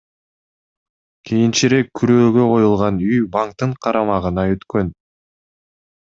Кийинчерээк күрөөгө коюлган үй банктын карамагына өткөн.